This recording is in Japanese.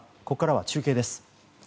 ここからは中継です。